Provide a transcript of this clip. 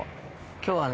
今日はね。